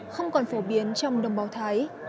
không còn phổ biến trong đồng bào thái